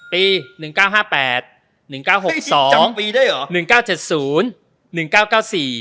ปี๑๙๕๘